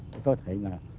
thì tôi thấy là